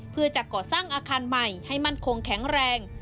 เพื่อจะก่อสร้างอาคารใหม่ให้มั่นคงแข็งแรง